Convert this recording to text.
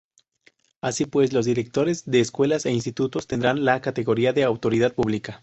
Así pues, los directores de escuelas e institutos tendrán la categoría de autoridad pública.